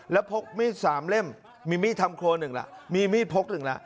แล้วพกมีด๓เล่มมีมีดทำครัวหนึ่งละมีมีดพกหนึ่งแล้ว